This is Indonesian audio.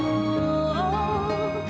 selalu mengharap kepada mu